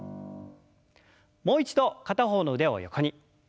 もう一度片方の腕を横に。